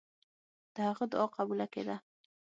د هغه دعا قبوله کېده.